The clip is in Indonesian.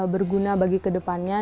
berguna bagi kedepannya